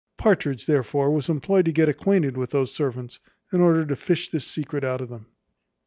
Partridge therefore was employed to get acquainted with those servants, in order to fish this secret out of them.